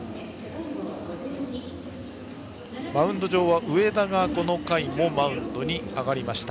マウンド上は上田がこの回もマウンドに上がりました。